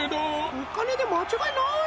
・お金でまちがいない！